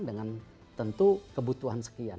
dengan tentu kebutuhan sekian